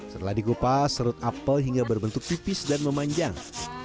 setelah dikupas serut apel hingga berbentuk tipis dan memanjang